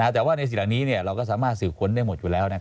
แต่ว่าในสิ่งเหล่านี้เราก็สามารถสืบค้นได้หมดอยู่แล้ว